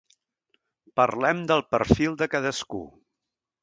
Parlem del perfil de cadascú.